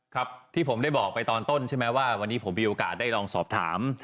ครับที่ผมได้บอกไปตอนต้นใช่ไหมว่าวันนี้ผมมีโอกาสได้ลองสอบถาม